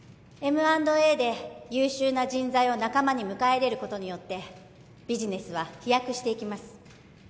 Ｍ＆Ａで優秀な人材を仲間に迎え入れることによってビジネスは飛躍していきます